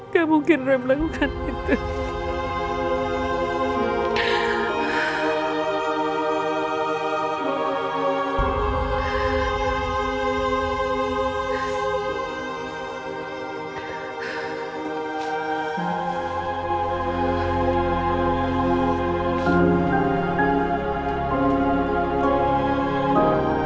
gak mungkin rem melakukan itu